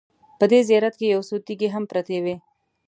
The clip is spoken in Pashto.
په دې زیارت کې یو څو تیږې هم پرتې وې.